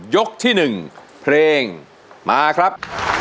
ที่๑เพลงมาครับ